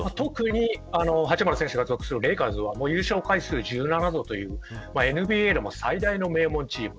特に八村選手が所属するレイカーズは優勝回数１７回というＮＢＡでも最大の名門チーム。